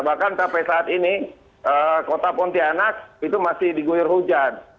bahkan sampai saat ini kota pontianak itu masih diguyur hujan